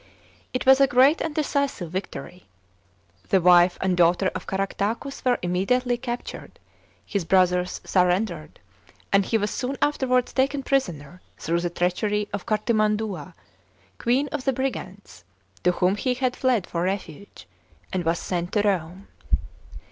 It was a great and decisive victory. The wife and daughter of Caractacus were immediately captured, his brothers surrendered, and he was soon afterwards taken prisoner through the treachery of Cartimandua, queen of the Brigantes, to whom he had fled for refuge, and was sent to Rome.